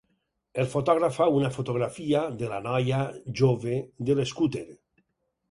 El fotògraf fa una fotografia de la noia jove de l'escúter.